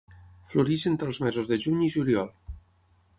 Floreix entre els mesos de juny i juliol.